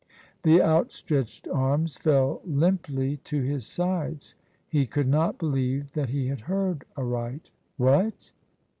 The outstretched arms fell limply to his sides. He could not believe that he had heard aright "What?